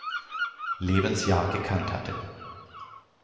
Lebensjahr gekannt hatte.